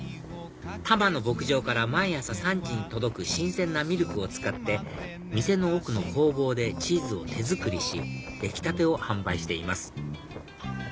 多摩の牧場から毎朝３時に届く新鮮なミルクを使って店の奥の工房でチーズを手作りし出来たてを販売しています